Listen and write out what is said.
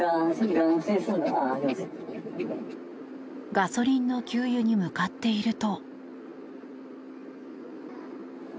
ガソリンの給油に向かっていると。